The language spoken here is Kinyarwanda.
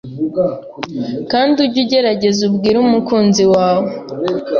kandi ujye ugerageza ubwire umukunzi wawe